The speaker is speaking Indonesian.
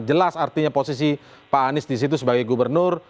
jelas artinya posisi pak anies di situ sebagai gubernur